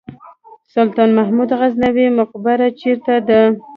سلطان محمود غزنوي مقبره چیرته ده؟